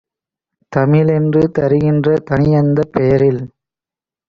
தமிழென்று தருகின்ற தனியந்தப் பெயரில்